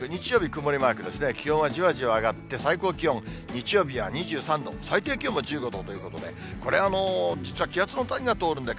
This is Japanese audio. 曇りマークですね、気温はじわじわ上がって、最高気温、日曜日は２３度、最低気温も１５度ということで、これ、実は気圧の谷が通るんで、